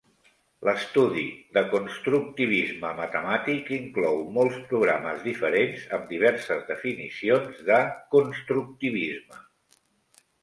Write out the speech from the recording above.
L'estudi de constructivisme matemàtic inclou molts programes diferents amb diverses definicions de "constructivisme".